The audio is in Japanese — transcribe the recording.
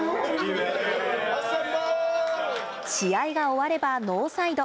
試合が終わればノーサイド。